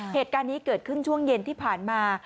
เหตุการณ์นี้เกิดขึ้นช่วงเย็นที่ผ่านมา